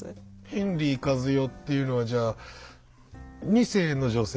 ヘンリーカズヨっていうのはじゃあ２世の女性？